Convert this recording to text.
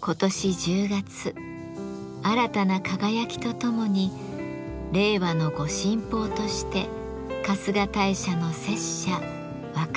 今年１０月新たな輝きとともに「令和の御神宝」として春日大社の摂社若宮に納められます。